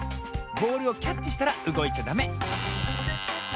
ボールをキャッチしたらうごいちゃダメ。